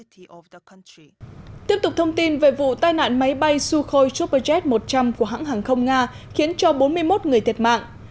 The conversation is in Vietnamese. tiếp tục thông tin về vụ tai nạn máy bay sukhoi superjet một trăm linh của hãng hàng không nga khiến cho bốn mươi một người thiệt mạng